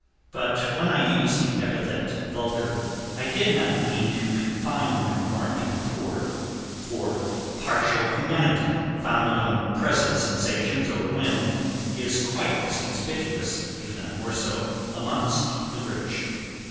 But, when I used the epithet vulgar, I did not mean to confine my remark to the poor, for partial humanity, founded on present sensations or whim, is quite as conspicuous, if not more so, amongst the rich.